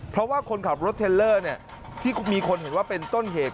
เพราะว่าคนขับรถเทลเลอร์ที่มีคนเห็นว่าเป็นต้นเหตุ